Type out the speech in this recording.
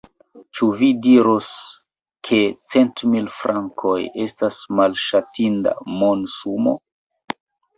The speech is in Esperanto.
Ĉu vi diros, ke centmil frankoj estas malŝatinda monsumo?